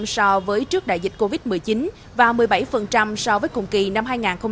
so với trước đại dịch covid một mươi chín và một mươi bảy so với cùng kỳ năm hai nghìn hai mươi